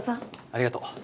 ありがとう。